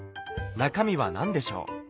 中身は何でしょう？